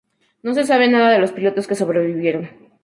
No se sabe nada de los pilotos que sobrevivieron.